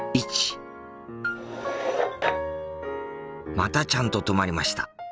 またちゃんと止まりました。